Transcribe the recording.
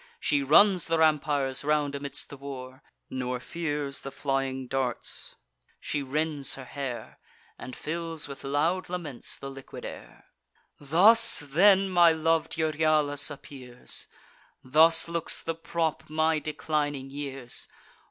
She runs the rampires round amidst the war, Nor fears the flying darts; she rends her hair, And fills with loud laments the liquid air. "Thus, then, my lov'd Euryalus appears! Thus looks the prop of my declining years!